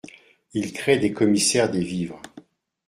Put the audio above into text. Il crée des commissaires des vivres.